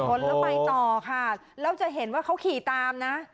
อ่าแล้วไฟต่อค่ะเราจะเห็นว่าเขาขี่ตามนะ